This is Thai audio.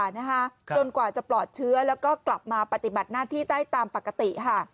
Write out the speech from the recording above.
นะคะจนกว่าจะปลอดเชื้อแล้วก็กลับมาปฏิบัติหน้าที่ได้ตามปกติค่ะ